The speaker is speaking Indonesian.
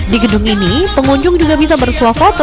di gedung ini pengunjung juga bisa bersuah foto